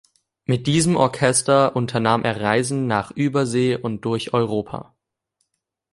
Mit diesem Orchester unternahm er Reisen nach Übersee und durch Europa.